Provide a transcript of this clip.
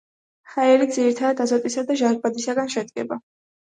ჰაერი, ძირითადად აზოტისა და ჟანგბადისაგან შედგება.